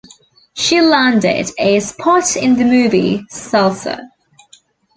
She landed a spot in the movie "Salsa".